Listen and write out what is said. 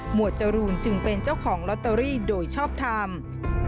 วดจรูนจึงเป็นเจ้าของลอตเตอรี่โดยชอบทำ